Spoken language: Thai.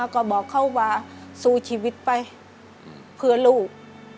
ก็บอกเขาว่าสู้ชีวิตไปเพื่อลูก